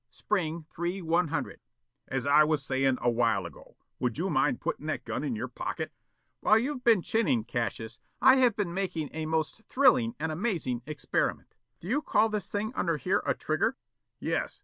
Spring, three one hundred." "As I was sayin' awhile ago, would you mind puttin' that gun in your pocket?" "While you've been chinning, Cassius, I have been making a most thrilling and amazing experiment. Do you call this thing under here a trigger?" "Yes.